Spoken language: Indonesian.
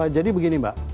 jadi begini mbak